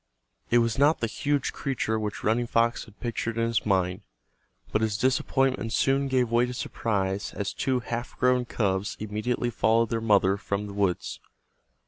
It was not the huge creature which Running Fox had pictured in his mind, but his disappointment soon gave way to surprise as two half grown cubs immediately followed their mother from the woods.